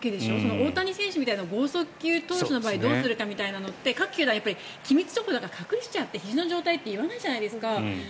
大谷選手みたいな豪速球投手みたいな場合どうするのかって各球団、機密情報だから隠してひじの状態って言わないじゃないですか。